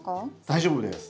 大丈夫です。